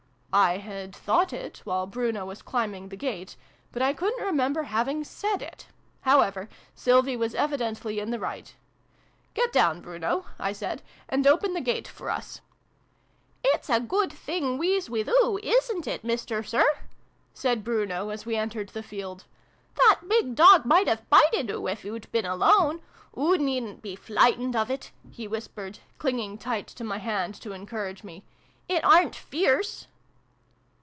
I had thought it, while Bruno was climbing the gate, but I couldn't remember having said it. However, Sylvie was evidently in the right. " Get down, Bruno," I said, " and open the gate for us." $8 SYLVIE AND BRUNO CONCLUDED. "It's a good thing we's with oo, isnt it, Mister Sir ?" said Bruno, as we entered the field. " That big dog might have bited oo, if oo'd been alone ! Oo needn't be /lightened of it !" he whispered, clinging tight to my hand to encourage me. "It aren't fierce